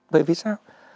vậy vì sao